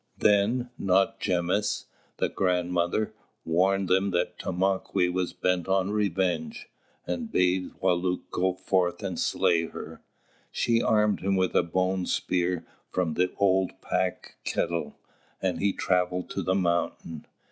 Then Nochgemiss, the Grandmother, warned them that Tomāquè was bent on revenge, and bade Wālūt go forth and slay her. She armed him with a bone spear from the old pack kettle, and he travelled to the mountain.